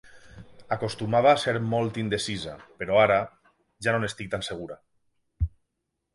Acostumava a ser molt indecisa, però ara... ja no n’estic tan segura.